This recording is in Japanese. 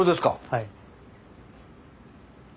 はい。